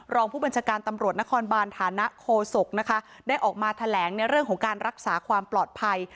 รองผู้บัญชาการตำรวจนครบานฐานะโคศกนะคะได้ออกมาแถลงในเรื่องของการรักษาความปลอดภัย